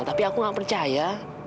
tapi aku gak percaya